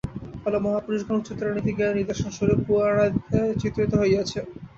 ফলে মহাপুরুষগণ উচ্চতর নীতিজ্ঞানের নিদর্শনরূপে পুরাণাদিতে চিত্রিত হইয়াছেন।